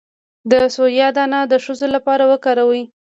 د سویا دانه د ښځو لپاره وکاروئ